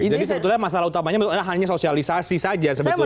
jadi sebetulnya masalah utamanya hanya sosialisasi saja sebetulnya